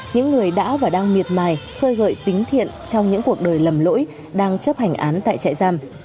những người đã và đang miệt mài khơi gợi tính thiện trong những cuộc đời lầm lỗi đang chấp hành án tại trại giam